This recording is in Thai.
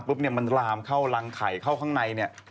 เนี่ยมันลามเข้ารังไข่เข้าข้างในเนี่ย